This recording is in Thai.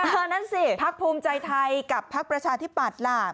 นั่นสิพักภูมิใจไทยกับพักประชาธิปัตย์ล่ะ